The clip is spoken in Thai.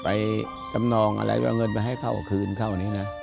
ไปจำนองอะไรก็เอาเงินไปให้เขาคืนเข้านี้นะ